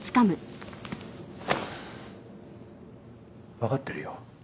分かってるよ。